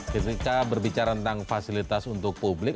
ketika berbicara tentang fasilitas untuk publik